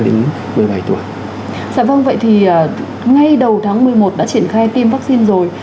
dạ vâng vậy thì ngay đầu tháng một mươi một đã triển khai tiêm vaccine rồi